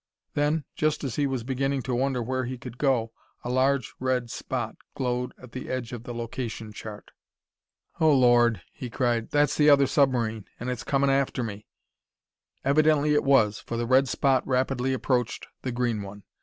Then, just as he was beginning to wonder where he could go, a large red spot glowed at the edge of the location chart. "Oh, Lord!" he cried. "That's the other submarine an' it's comin' after me!" Evidently it was, for the red spot rapidly approached the green one.